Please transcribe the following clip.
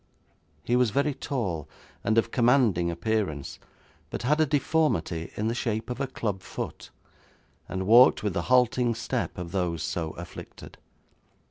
He was very tall, and of commanding appearance, but had a deformity in the shape of a club foot, and walked with the halting step of those so afflicted.